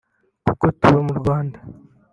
Kuko tuba mu Rwanda